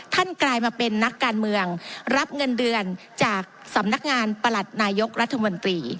กลายมาเป็นนักการเมืองรับเงินเดือนจากสำนักงานประหลัดนายกรัฐมนตรี